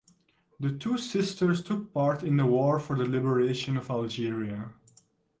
The two sisters took part in the war for the liberation of Algeria.